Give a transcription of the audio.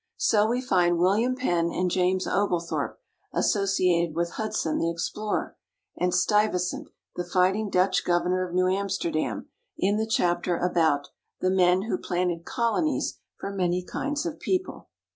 So we find William Penn and James Oglethorpe associated with Hudson, the explorer, and Stuyvesant, the fighting Dutch governor of New Amsterdam, in the chapter about "The Men Who Planted Colonies for Many Kinds of People."